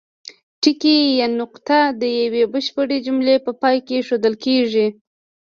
ټکی یا نقطه د یوې بشپړې جملې په پای کې اېښودل کیږي.